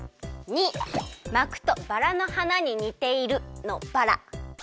②まくとバラのはなににているのバラ。